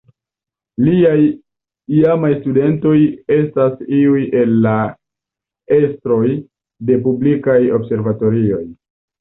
Liaj iamaj studentoj estas iuj el la estroj de publikaj observatorioj.